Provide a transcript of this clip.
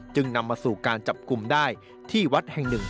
นำมาสู่การจับกลุ่มได้ที่วัดแห่งหนึ่ง